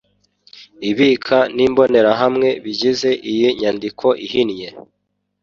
ibika n'imbonerahamwe bigize iyi nyandiko ihinnye